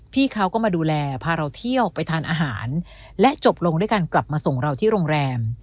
พี่เขาก็มาดูแลพาเราเที่ยวไปทานอาหารและจบลงด้วยการกลับมาส่งเราที่โรงแรม